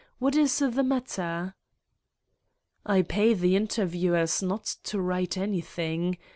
What is the matter ?" "I pay the interviewers not to write anything.